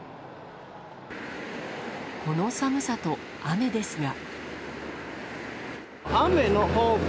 この寒さと雨ですが。